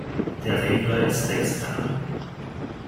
Der Regler ist extern.